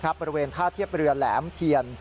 บริเวณท่าเทียบเรือแหลมเทียน